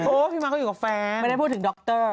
โอ้พี่มากเคยอยู่กัปแฟก